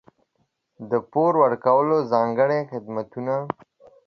د پور ورکولو ځانګړي خدمتونه.